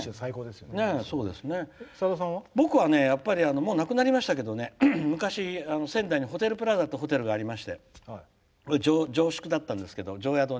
僕はやっぱりもう無くなりましたけど昔、仙台にホテルプラザっていうホテルがありまして定宿にしてたんですね。